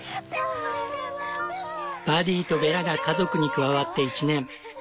パディとベラが家族に加わって１年。